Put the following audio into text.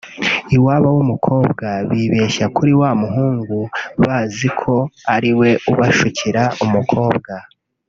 iwabo w’umukobwa bibeshya kuri wa muhungu baziko ariwe ubashukira umukobwa